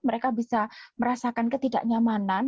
mereka bisa merasakan ketidak nyamanan